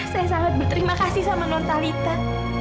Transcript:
saya sangat berterima kasih sama non talita